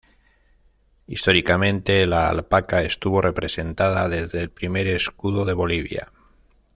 Históricamente, la alpaca estuvo representada desde el primer escudo de Bolivia.